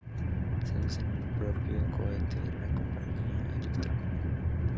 Se usa en el propio cohete de la compañía, Electron.